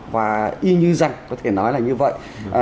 và y như rằng có thể nói là như vậy